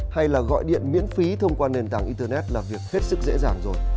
hay là gọi điện miễn phí thông qua nền tảng internet là việc hết sức dễ dàng rồi